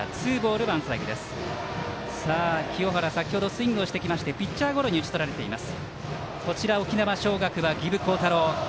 清原、先ほどスイングをしてピッチャーゴロに打ち取られています。